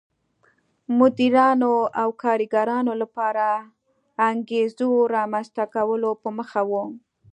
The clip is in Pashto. مدیرانو او کارګرانو لپاره انګېزو رامنځته کولو په موخه و.